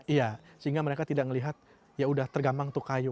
iya sehingga mereka tidak melihat ya udah tergambang untuk kayu